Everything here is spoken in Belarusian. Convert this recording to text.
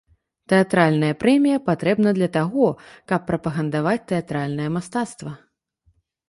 Тэатральная прэмія патрэбна для таго, каб прапагандаваць тэатральнае мастацтва.